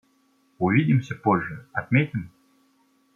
Увидимся позже, отметим?